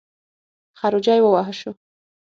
خروجی ووهه شو.